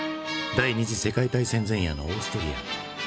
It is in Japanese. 第二次世界大戦前夜のオーストリア。